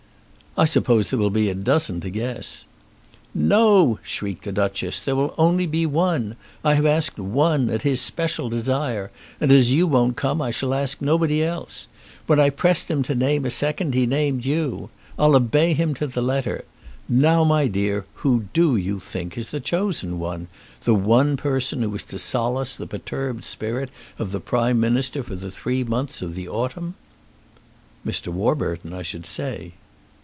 "I suppose there will be a dozen to guess." "No," shrieked the Duchess. "There will only be one. I have asked one, at his special desire, and as you won't come I shall ask nobody else. When I pressed him to name a second he named you. I'll obey him to the letter. Now, my dear, who do you think is the chosen one, the one person who is to solace the perturbed spirit of the Prime Minister for the three months of the autumn?" "Mr. Warburton, I should say."